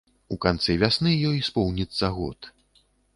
У канцы вясны ёй споўніцца год.